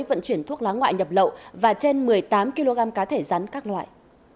vận chuyển thuốc lá ngoại nhập lậu và trên một mươi tám kg cá thể rắn các loại